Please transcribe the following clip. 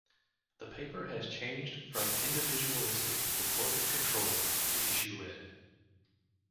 The paper has changed from individualistic to corporate control, the issue read.